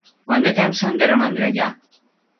Quant de temps han de romandre allà?